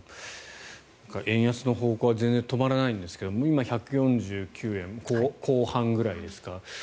円安の方向は全然止まらないんですが今、１４９円後半ぐらいですか。